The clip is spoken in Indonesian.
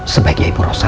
sebaiknya ibu elsa